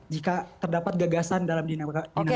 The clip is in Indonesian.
jika terdapat gagasan dalam dinamika